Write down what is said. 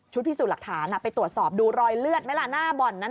พิสูจน์หลักฐานไปตรวจสอบดูรอยเลือดไหมล่ะหน้าบ่อนนั้น